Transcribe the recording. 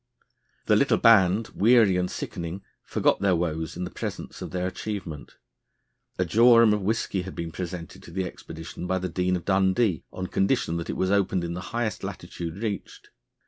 The little band, weary and sickening, forgot their woes in the presence of their achievement. A jorum of whisky had been presented to the expedition by the Dean of Dundee on condition that it was opened in the highest latitude reached.